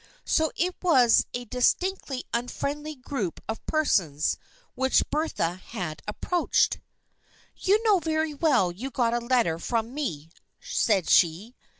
So it was a distinctly unfriendly group of persons which Bertha had approached. u You know very well you got a letter from me," said she.